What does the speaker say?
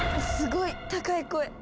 すごい高い声。